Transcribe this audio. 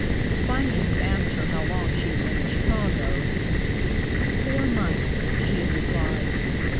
Finally he asked her how long she had been in Chicago. 'Four months' she had replied.